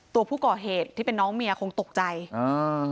ตัวผู้ก่อเหตุที่เป็นน้องเมียคงตกใจอ่า